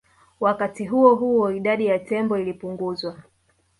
Wakati huo huo idadi ya tembo ilipunguzwa